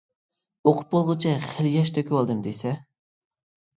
ئوقۇپ بولغۇچە خېلى ياش تۆكۈۋالدىم دېسە.